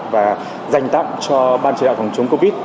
và dành tặng cho ban chỉ đạo phòng chống covid